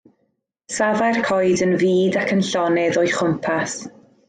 Safai'r coed yn fud ac yn llonydd o'i chwmpas.